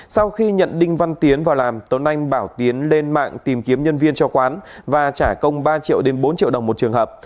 sau khi nhận đinh văn tiến vào làm tuấn anh bảo tiến lên mạng tìm kiếm nhân viên cho quán và trả công ba triệu đến bốn triệu đồng một trường hợp